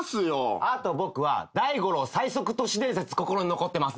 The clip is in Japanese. あと僕はダイゴロウ最速都市伝説心に残ってますね。